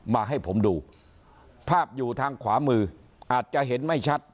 มาให้ผมดูภาพอยู่ทางขวามืออาจจะเห็นไม่ชัด